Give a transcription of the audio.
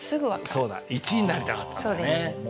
そうだ１位になりたかったんだよね。